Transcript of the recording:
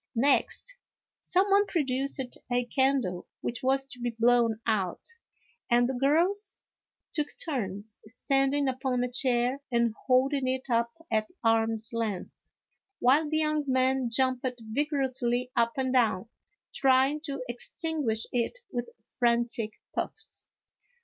Next, some one produced a candle which was to be blown out, and the girls took turns standing upon a chair and holding it up at arms length, while the young men jumped vigorously up and down, try ing to extinguish it with frantic puffs.